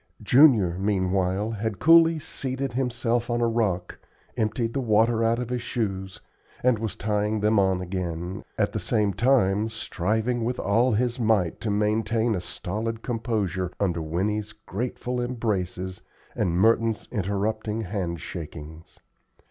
Junior, meanwhile, had coolly seated himself on a rock, emptied the water out of his shoes, and was tying them on again, at the same time striving with all his might to maintain a stolid composure under Winnie's grateful embraces and Merton's interrupting hand shakings.